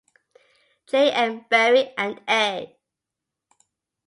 J. M. Barrie and A.